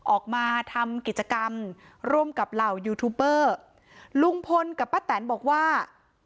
ออกมาทำกิจกรรมร่วมกับเหล่ายูทูบเบอร์ลุงพลกับป้าแตนบอกว่า